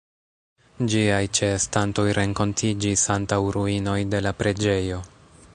Ĝiaj ĉeestantoj renkontiĝis antaŭ ruinoj de la preĝejo.